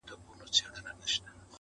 -آسمانه چېغو ته مي زور ورکړه-